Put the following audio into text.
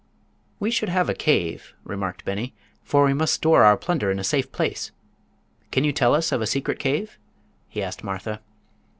"We should have a cave," remarked Beni; "for we must store our plunder in a safe place. Can you tell us of a secret cave?" he asked Martha.